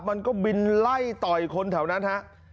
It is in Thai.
มันก็บินไล่ต่อยคนแถวนั้นฮะ